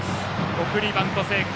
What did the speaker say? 送りバント成功。